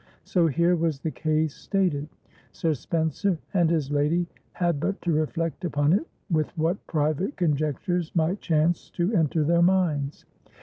So here was the case stated; Sir Spencer and his lady had but to reflect upon it, with what private conjectures might chance to enter their minds.